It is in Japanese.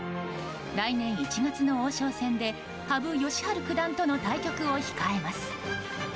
来年１月の王将戦で羽生善治九段との対局を控えます。